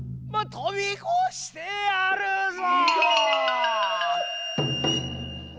飛び越してやるぞ！